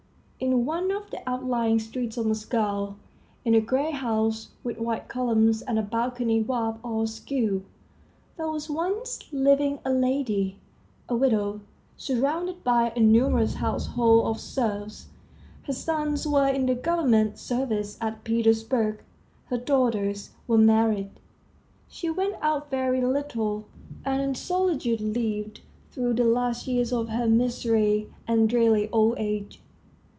In one of the outlying streets of Moscow, in a gray house with white columns and a balcony, warped all askew, there was once living a lady, a widow, surrounded by a numerous household of serfs. Her sons were in the government service at Petersburg; her daughters were married; she went out very little, and in solitude lived through the last years of her miserly and dreary old age.